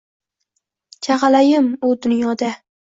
Chagʻalayim, u dunyoda